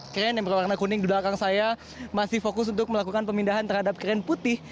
kren yang berwarna kuning di belakang saya masih fokus untuk melakukan pemindahan terhadap kren putih